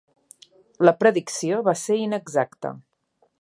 La predicció va ser inexacta.